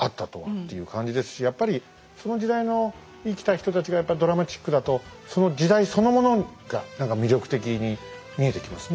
やっぱりその時代の生きた人たちがやっぱドラマチックだとその時代そのものが何か魅力的に見えてきますね。